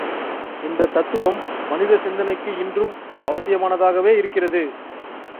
இந்தத் தத்துவம் மனித சிந்தனைக்கு இன்றும் அவசியமானதாகவே இருக்கிறது.